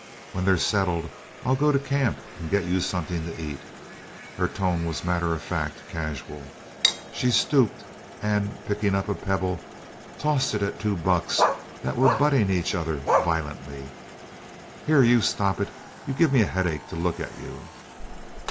When they're settled, I'll go to camp and get you something to eat." Her tone was matter of fact, casual. She stooped, and, picking up a pebble, tossed it at two bucks that were butting each other violently: "Here you! Stop it! You give me a headache to look at you."